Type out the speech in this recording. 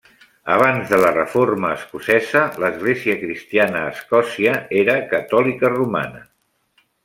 Abans de la Reforma escocesa, l'església cristiana a Escòcia era catòlica romana.